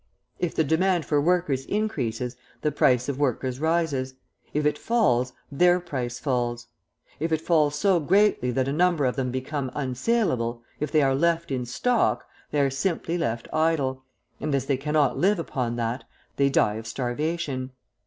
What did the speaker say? If the demand for workers increases, the price of workers rises; if it falls, their price falls. If it falls so greatly that a number of them become unsaleable, if they are left in stock, they are simply left idle; and as they cannot live upon that, they die of starvation.